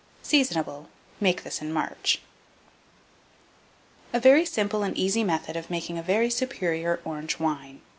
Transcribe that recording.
Seasonable. Make this in March. A VERY SIMPLE AND EASY METHOD OF MAKING A VERY SUPERIOR ORANGE WINE.